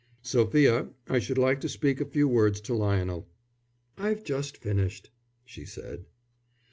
"Sophia, I should like to speak a few words to Lionel." "I've just finished," she said.